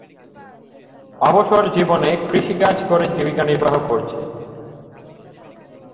অবসর জীবনে কৃষিকাজ করে জীবিকা নির্বাহ করছে।